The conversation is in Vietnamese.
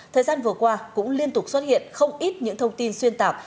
thời gian vừa qua cũng liên tục xuất hiện không ít những thông tin xuyên tạc